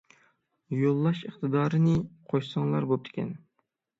يوللاش ئىقتىدارىنى قوشساڭلار بوپتىكەن.